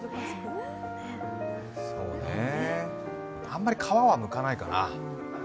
あんまり皮はむかないかな。